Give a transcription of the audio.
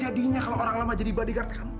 apa jadinya kalau orang lama jadi bodyguard kamu